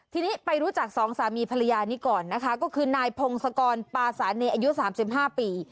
ทีนี้ไปรู้จักสองสามีภรรยานี้ก่อนนะคะก็คือนายพงศกรปาสาเนอายุ๓๕ปี